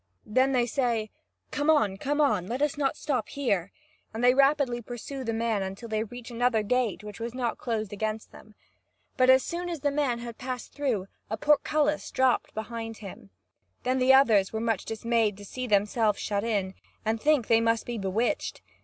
Then they say: "Come on, come on! Let us not stop here!" and they rapidly pursue the man until they reach another gate which was not closed against them. But as soon as the man had passed through, a portcullis dropped behind him. Then the others were much dismayed to see themselves shut in, and they think they must be bewitched.